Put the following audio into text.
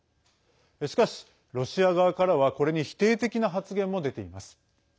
しかし、ロシア側からはこれに否定的な発言も出ています。